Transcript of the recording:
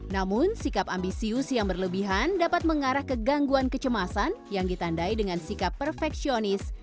namun sikap ambisius yang berlebihan dapat mengarah ke gangguan kecemasan yang ditandai dengan sikap perfeksionis